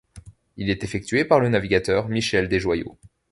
Il est effectué par le navigateur Michel Desjoyeaux.